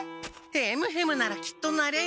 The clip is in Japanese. ヘムヘムならきっとなれる！